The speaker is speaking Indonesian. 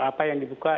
apa yang dibuka